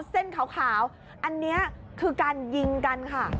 เส้นขาวอันนี้คือการยิงกันค่ะ